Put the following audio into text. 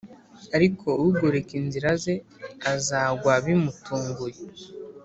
ariko ugoreka inzira ze azagwa bimutunguye